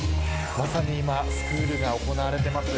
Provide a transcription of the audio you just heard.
まさに今、スクールが行われています。